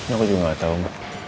aku juga gak tau ma